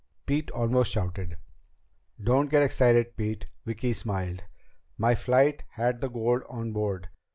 Pete almost shouted. "Don't get excited, Pete." Vicki smiled. "My flight had the gold on board.